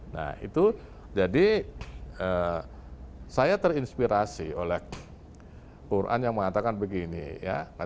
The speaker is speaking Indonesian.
nah itu jadi saya terinspirasi oleh quran yang mengatakan begini ya